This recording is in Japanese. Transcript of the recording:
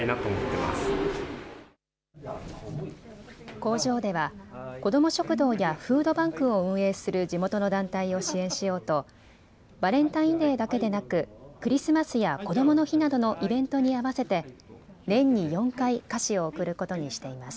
工場では子ども食堂やフードバンクを運営する地元の団体を支援しようとバレンタインデーだけでなくクリスマスやこどもの日などのイベントに合わせて年に４回、菓子を贈ることにしています。